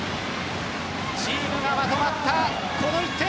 チームがまとまったこの１点。